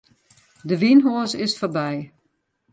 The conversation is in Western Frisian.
De wynhoas is foarby.